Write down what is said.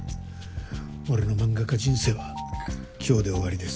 俺の漫画家人生は今日で終わりです。